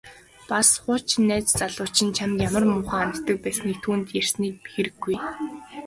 Бас хуучин найз залуу чинь чамд ямар муухай ханддаг байсныг түүнд ярьсны хэрэггүй.